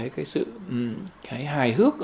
cái sự hài hước